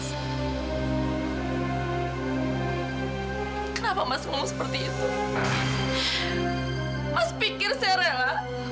kenapa mas ngomong seperti itu